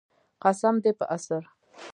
قسم دی په عصر.